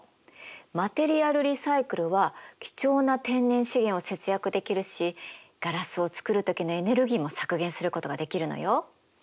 マテリアルリサイクルは貴重な天然資源を節約できるしガラスを作る時のエネルギーも削減することができるのよ。